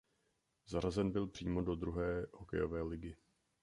Zařazen byl přímo do druhé hokejové ligy.